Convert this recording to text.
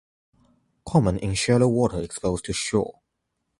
Common in shallow water exposed to surge.